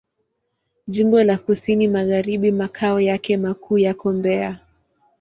Jimbo la Kusini Magharibi Makao yake makuu yako Mbeya.